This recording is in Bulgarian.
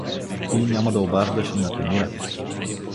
Ти няма да обаждаш и на Темира.